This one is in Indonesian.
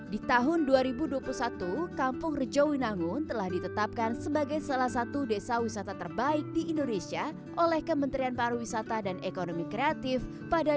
di tahun dua ribu dua puluh satu kampung rejawi nangun telah ditetapkan sebagai salah satu desa wisata terbaik di indonesia oleh kementerian pariwisata dan ekonomi kreatif pada dua ribu dua puluh